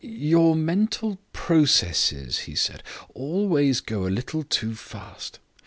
"Your mental processes," he said, "always go a little too fast.